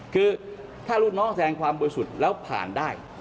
คือถ้าลูกน้องแสดงความบริสุทธิ์แล้วผ่านได้